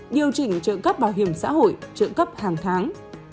điều chỉnh trợ cấp bảo hiểm xã hội trợ cấp hàng tháng